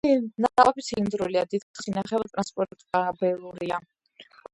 ნაყოფი ცილინდრულია, დიდხანს ინახება, ტრანსპორტაბელურია.